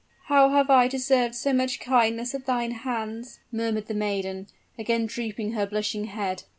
"How have I deserved so much kindness at thine hands?" murmured the maiden, again drooping her blushing head.